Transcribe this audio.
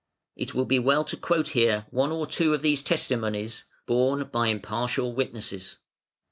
It will be well to quote here one or two of these testimonies, borne by impartial witnesses.